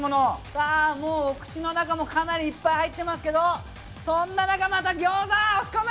さぁもうお口の中もかなりいっぱい入ってますけどそんななかまた餃子を押し込む！